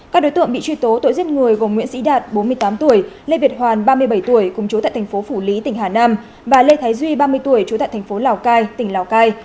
các đối tượng bị truy tố tội giết người gồm nguyễn sĩ đạt bốn mươi tám tuổi lê việt hoàn ba mươi bảy tuổi cùng chú tại tp phủ lý tỉnh hà nam và lê thái duy ba mươi tuổi chú tại tp lào cai tỉnh lào cai